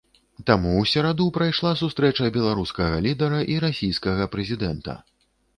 Там у сераду прайшла сустрэча беларускага лідара і расійскага прэзідэнта.